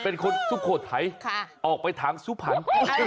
เป็นคนสุโฆไทยออกไปทางภัณฑ์